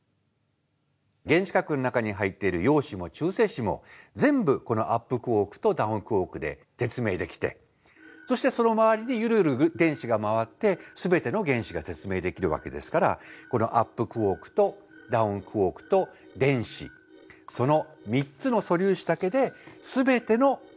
原子核の中に入っている陽子も中性子も全部このアップクォークとダウンクォークで説明できてそしてその周りでゆるゆる電子が回ってすべての原子が説明できるわけですからこのアップクォークとダウンクォークと電子その３つの素粒子だけですべてのものが説明できるんだ。